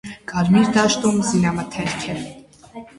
Կարմիր դաշտում զինամթերք է։